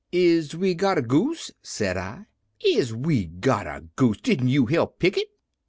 "'Is we got a goose?' said I. "'Is we got a goose? Didn't you help pick it?'